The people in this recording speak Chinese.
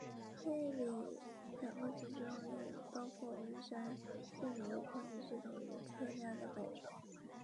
巡视是党章赋予的重要职责，是加强党的建设的重要举措，是从严治党、维护党纪的重要手段，是加强党内监督的重要形式。